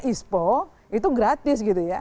ispo itu gratis gitu ya